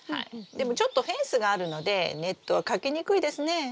でもちょっとフェンスがあるのでネットはかけにくいですね。